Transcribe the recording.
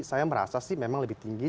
saya merasa sih memang lebih tinggi